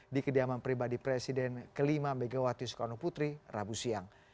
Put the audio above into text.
di kediaman pribadi presiden kelima megawati soekarno putri rabu siang